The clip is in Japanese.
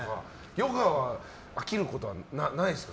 ヨガは飽きることはないんですか。